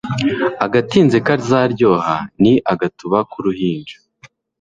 Agatinze kazaryoha ni agatuba k'uruhinja.